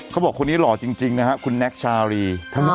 เขาบอกคนนี้หล่อจริงนะครับคุณแน็กชารี